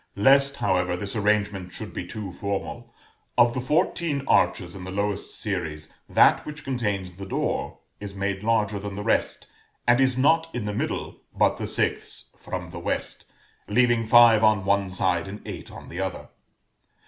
Lest, however, this arrangement should be too formal, of the fourteen arches in the lowest series, that which contains the door is made larger than the rest, and is not in the middle, but the sixth from the West, leaving five on one side and eight on the other.